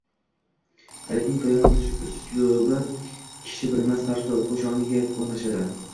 Adibning bayon qilish uslubi kishi bilmas tarzda o‘quvchi ongiga o‘rnashadi.